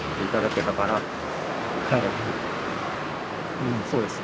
うんそうですね